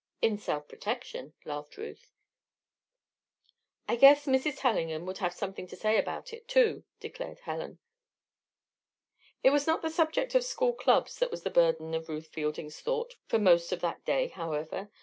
"In self protection," laughed Ruth. "I guess Mrs. Tellingham would have something to say about it, too," declared Helen. It was not the subject of school clubs that was the burden of Ruth Fielding's thought for most of that day, however.